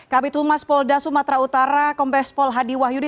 kb tumas polda sumatera utara kb spol hadi wahyudi